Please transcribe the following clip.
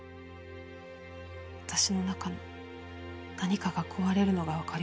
私の中の何かが壊れるのがわかりました。